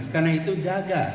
karena itu jaga